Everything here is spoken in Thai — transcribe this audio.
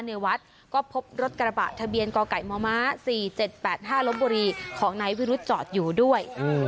ในวัดก็พบรถกระบะทะเบียนกไก่มม๔๗๘๕ลบบุรีของนายวิรุธจอดอยู่ด้วย